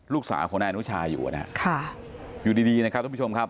ลูกสาวของนายอนุชาอยู่นะฮะค่ะอยู่ดีดีนะครับทุกผู้ชมครับ